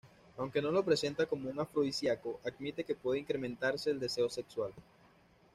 Aunque "no lo presenta como un afrodisíaco", admite que puede incrementarse el deseo sexual.